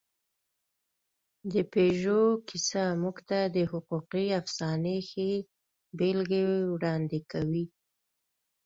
د پيژو کیسه موږ ته د حقوقي افسانې ښې بېلګې وړاندې کوي.